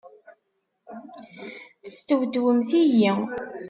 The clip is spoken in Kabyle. Testewtwemt-iyi!